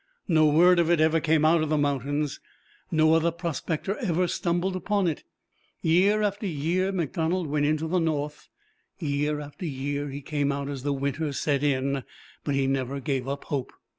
No word of it ever came out of the mountains; no other prospector ever stumbled upon it. Year after year Donald went into the North; year after year he came out as the winter set in, but he never gave up hope.